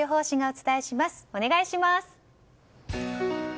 お願いします。